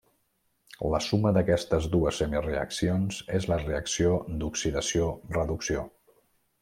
La suma d'aquestes dues semireaccions és la reacció d'oxidació-reducció.